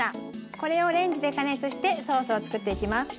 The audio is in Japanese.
これをレンジで加熱してソースをつくっていきます。